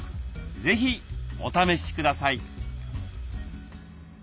是非お試しください。